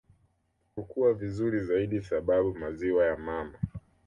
kukua vizuri zaidi sababu maziwa ya mama